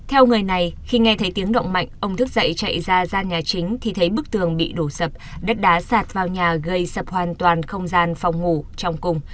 theo người này khi nghe thấy tiếng động mạnh ông thức dậy chạy ra gian nhà chính thì thấy bức tường bị đổ sập đất đá sạt vào nhà gây sập hoàn toàn không gian phòng ngủ trong cùng